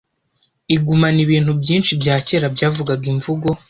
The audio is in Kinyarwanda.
igumana ibintu byinshi bya kera byavugaga imvugo